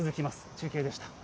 中継でした。